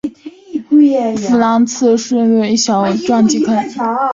弗朗茨陨石坑坑底西南坐落了一对环绕着高反照率喷出物的细小撞击坑。